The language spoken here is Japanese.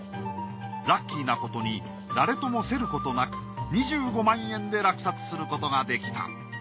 ラッキーなことに誰とも競ることなく２５万円で落札することができた。